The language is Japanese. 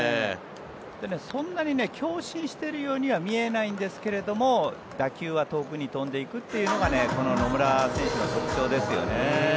そんなに強振してるようには見えないんですけども打球は遠くに飛んでいくというのがこの野村選手の特徴ですよね。